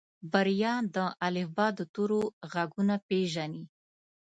بريا د الفبا د تورو غږونه پېژني.